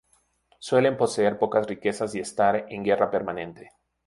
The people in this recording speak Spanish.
Suelen poseer pocas riquezas y estar en guerra permanente.